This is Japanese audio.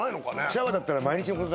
シャワーだったら。